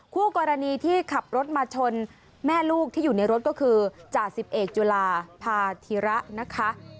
คู่กรณีที่ขับรถมาชนแม่ลูกที่อยู่ในรถก็คือจ่าสิบเอกจุฬาพาธิระนะคะ